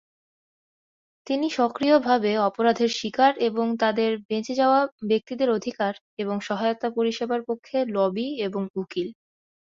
তিনি সক্রিয়ভাবে অপরাধের শিকার এবং তাদের বেঁচে যাওয়া ব্যক্তিদের অধিকার এবং সহায়তা পরিষেবার পক্ষে লবি এবং উকিল।